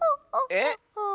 えっ？